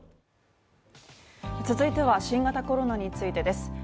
続いては新型コロナについてです。